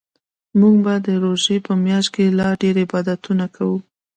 موږ به د روژې په میاشت کې لا ډیرعبادتونه کوو